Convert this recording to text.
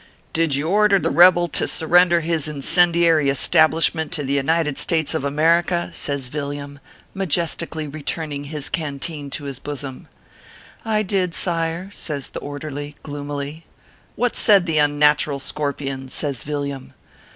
"Did you order the rebel to surrender his incen diary establishment to the United States of Amer ica ?" says Villiam, majestically returning his canteen to his bosom. " I did, sire/ says the Orderly, gloomily. " What said the unnatural scorpion ?" says Villiam.